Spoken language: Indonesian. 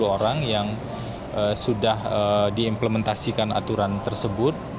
dua puluh orang yang sudah diimplementasikan aturan tersebut